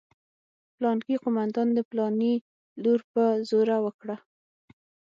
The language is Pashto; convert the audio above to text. پلانکي قومندان د پلاني لور په زوره وکړه.